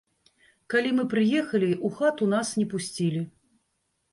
Калі мы прыехалі, у хату нас не пусцілі.